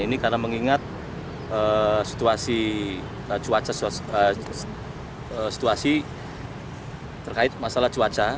ini karena mengingat situasi terkait masalah cuaca